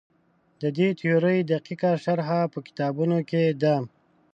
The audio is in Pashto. د دې تیورۍ دقیقه شرحه په کتابونو کې ده.